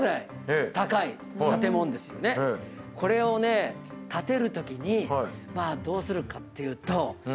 これをね建てる時にどうするかっていうとまず。